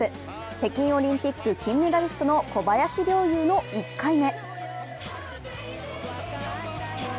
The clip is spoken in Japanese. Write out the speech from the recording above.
北京オリンピック金メダリストの小林陵侑の１回目。